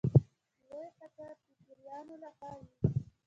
لوی خطر د پیرانو له خوا وي.